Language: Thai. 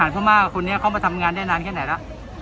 อ่าผู้บริหารพม่ากับคนนี้เขามาทำงานได้นานแค่ไหนละ